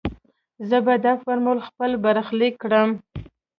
زه به دا فورمول خپل برخليک کړم.